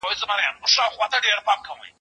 کښته پورته یې ځغستله لاندي باندي